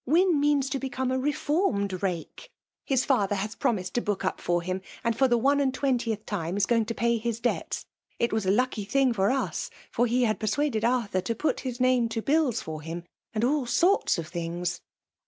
Wyh means to become a reformed rake. His father 9 has promised to book up for him, and for the one and twenticth time, is going to pay his debts. It was a lucky thing for tii; for he had persuaded Arthur to put his name to bilk for him, and all sorts of things.'